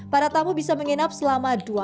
para tamu bisa menginap selama dua hari